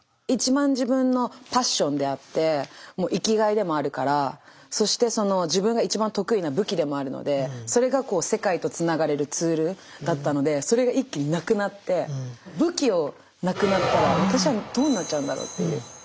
一番自分のパッションであって生きがいでもあるからそして自分が一番得意な武器でもあるのでそれが世界とつながれるツールだったのでそれが一気になくなって武器をなくなったら私はどうなっちゃうんだろうっていう。